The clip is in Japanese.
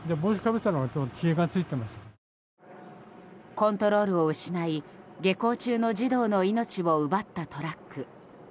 コントロールを失い下校中の児童の命を奪ったトラック。